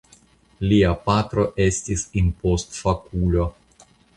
Lia patro estis impostofakulo.